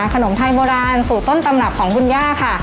ขนมไทยโบราณสูตรต้นตำรับของคุณย่าค่ะ